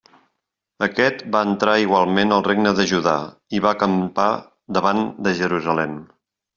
Aquest va entrar igualment al regne de Judà i va acampar davant de Jerusalem.